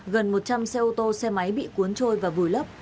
gần một trăm linh xe ô tô xe máy bị cuốn trôi và vùi lấp